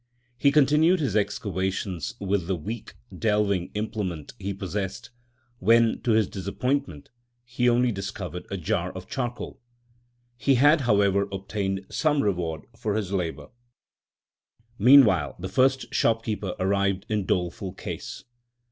He continued his excavations with the weak delving implement he possessed, when, to his disappointment, he only discovered a jar of charcoal. He had, however, obtained some reward for his labour. Meanwhile the first shopkeeper arrived in doleful case.